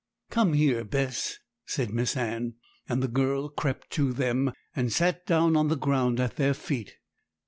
'Come here, Bess,' said Miss Anne; and the girl crept to them, and sat down on the ground at their feet.